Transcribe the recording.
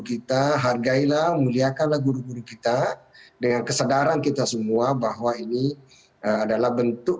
kita hargailah muliakanlah guru guru kita dengan kesadaran kita semua bahwa ini adalah bentuk